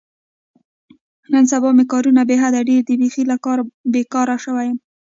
نن سبا مې کارونه بې حده ډېر دي، بیخي له کاره بېگاره شوی یم.